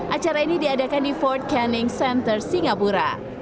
acara ini diadakan di ford canning center singapura